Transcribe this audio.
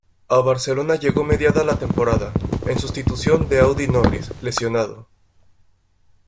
A Barcelona llegó mediada la temporada, en sustitución de Audie Norris, lesionado.